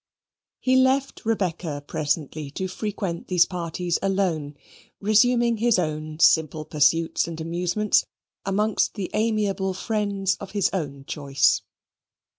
He left Rebecca presently to frequent these parties alone, resuming his own simple pursuits and amusements amongst the amiable friends of his own choice.